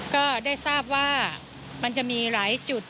ก็ได้ทราบว่ามันจะมีหลายจุด